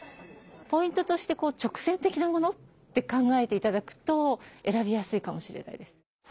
ポイントとして直線的なものって考えて頂くと選びやすいかもしれないです。